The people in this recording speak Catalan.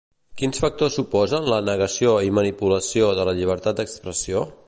Quins factors suposen la negació i manipulació de la llibertat d'expressió?